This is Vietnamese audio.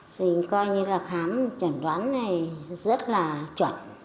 thì coi như là khám chẩn đoán này rất là chuẩn